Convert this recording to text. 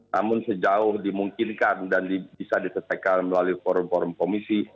namun sejauh dimungkinkan dan bisa diselesaikan melalui forum forum komisi